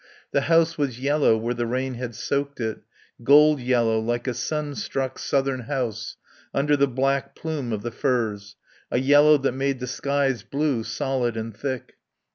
The house was yellow where the rain had soaked it, gold yellow like a sun struck southern house, under the black plume of the firs, a yellow that made the sky's blue solid and thick.